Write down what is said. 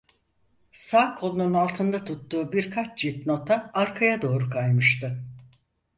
Sağ kolunun altında tuttuğu birkaç cilt nota arkaya doğru kaymıştı.